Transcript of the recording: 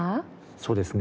そうですね。